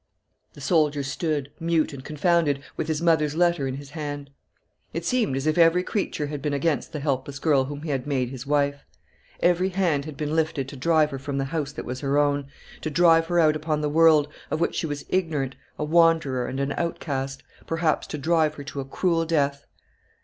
The soldier stood, mute and confounded, with his mother's letter in his hand. It seemed as if every creature had been against the helpless girl whom he had made his wife. Every hand had been lifted to drive her from the house that was her own; to drive her out upon the world, of which she was ignorant, a wanderer and an outcast; perhaps to drive her to a cruel death.